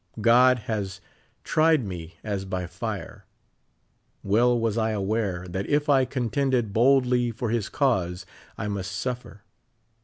God has tried me as by fire. Well was I aware that if I contended boldly for his cause I must suffer.